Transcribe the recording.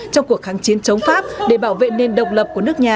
trong cuộc kháng chiến chống pháp để bảo vệ nền độc lập